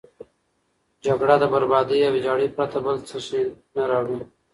جګړه د بربادي او ویجاړي پرته بل څه نه شي راوړی.